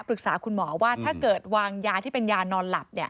ปรึกษาคุณหมอว่าถ้าเกิดวางยาที่เป็นยานอนหลับ